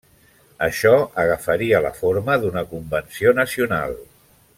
Això agafaria la forma d'una Convenció Nacional.